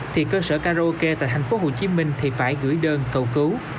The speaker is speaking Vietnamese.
thì cơ sở karaoke tại thành phố hồ chí minh thì phải gửi đơn cầu cứu